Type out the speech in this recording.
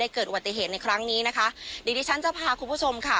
เกิดอุบัติเหตุในครั้งนี้นะคะเดี๋ยวดิฉันจะพาคุณผู้ชมค่ะ